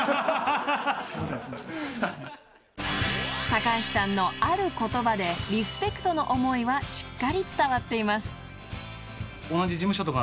［高橋さんのある言葉でリスペクトの思いはしっかり伝わっています］